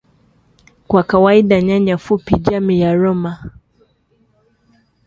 Kwa kawaida nyanya fupi jamii ya “Roma”